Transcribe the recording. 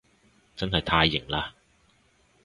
真係太型喇